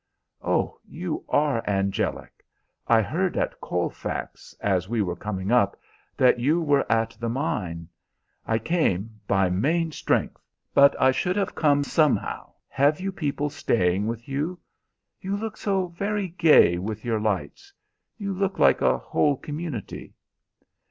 "Oh, you are angelic! I heard at Colfax, as we were coming up, that you were at the mine. I came by main strength. But I should have come somehow. Have you people staying with you? You look so very gay with your lights you look like a whole community."